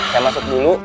saya masuk dulu